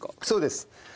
そうです。